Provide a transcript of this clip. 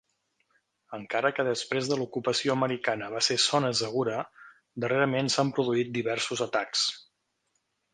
Encara que després de l'ocupació americana va ser zona segura, darrerament s'han produït diversos atacs.